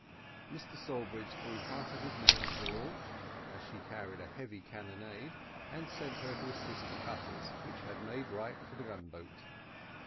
Mr Sawbridge threw half his men into the launch, as she carried a heavy carronade, and sent her to assist the cutters, which had made right for the gun boat.